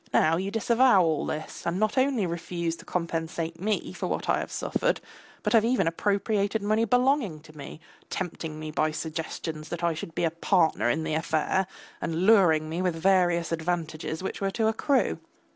Now you disavow all this, and not only refuse to compensate me for what I have suffered, but have even appropriated money belonging to me, tempting me by suggestions that I should be partner in the affair, and luring me with various advantages which were to accrue.